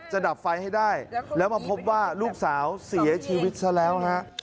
ดับไฟให้ได้แล้วมาพบว่าลูกสาวเสียชีวิตซะแล้วฮะ